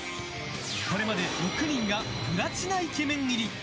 これまで６人がプラチナイケメン入り。